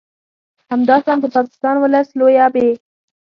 همداشان د پاکستان ولس لویه ب